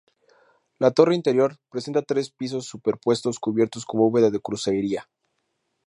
La torre interior presenta tres pisos superpuestos cubiertos con bóveda de crucería.